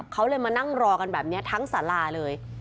เขาเลยมานั่งรอกันแบบนี้ทั้งสาราเลย